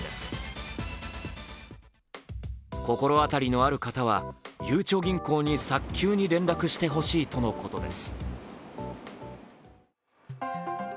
心当たりのある方はゆうちょ銀行に早急に連絡してほしいということです。